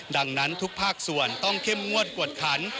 ดังนั้นทุกภาคส่วนต้องเข้มงวดกวดขัน